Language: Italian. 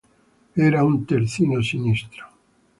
Era un terzino sinistro.